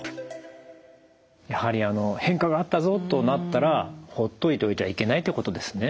やはり変化があったぞとなったらほっといておいてはいけないってことですね。